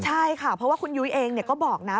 ใช่ค่ะเพราะว่าคุณยุ้ยเองก็บอกนะ